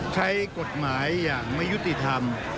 ใช้กฎหมายอย่างไม่ยุติธรรม